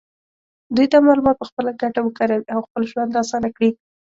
دوی دا معلومات په خپله ګټه وکاروي او خپل ژوند اسانه کړي.